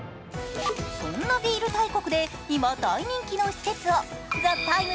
そんなビール大国で今大人気の施設を「ＴＨＥＴＩＭＥ，」